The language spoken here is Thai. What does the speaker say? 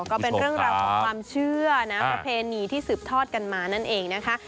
ก็เป็นเรื่องราวของความเชื่อนะประเพณีที่สืบทอดกันมานั่นเองนะคะ